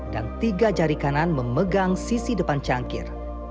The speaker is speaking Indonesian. dan tiga jari kanan memegang sisi depan cangkir